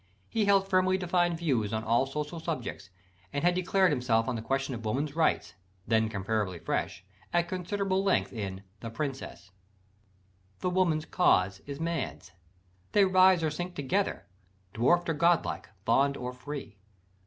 He held firmly defined views on all social subjects; and had declared himself on the question of "Woman's Rights" then comparatively fresh at considerable length in The Princess. "The woman's cause is man's: they rise or sink Together, dwarf'd or god like, bond or free.